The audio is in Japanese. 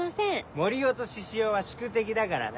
森生と獅子王は宿敵だからな。